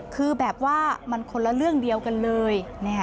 คือแบบว่ามันคนละเรื่องเดียวกันเลย